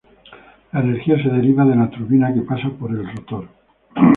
La energía se deriva de la turbina que pasa por el rotor.